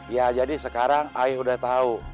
ya jadi sekarang ayah udah tahu